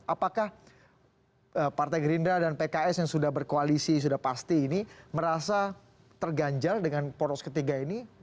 apakah partai gerindra dan pks yang sudah berkoalisi sudah pasti ini merasa terganjal dengan poros ketiga ini